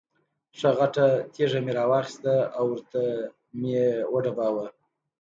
ښه غټه تیږه مې را واخسته او ورته مې یې وډباړه.